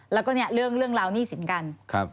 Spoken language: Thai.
แล้วก็เนี่ยเรื่องราวหนี้สินกัน